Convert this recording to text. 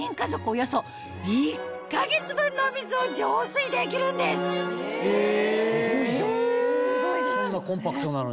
およそ１か月分のお水を浄水できるんですすごいじゃんそんなコンパクトなのに。